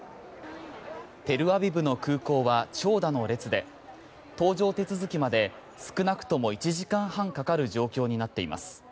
テルアビブの空港は長蛇の列で搭乗手続きまで少なくとも１時間半かかる状況になっています。